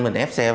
mình ép xe